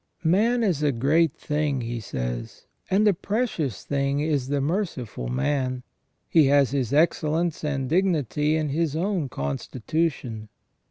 " Man is a great thing," he says, "and a precious thing is the merciful man ; he has his excellence and dignity in his own constitution.